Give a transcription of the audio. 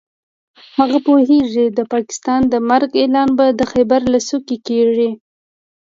هغه پوهېږي د پاکستان د مرګ اعلان به د خېبر له څوکو کېږي.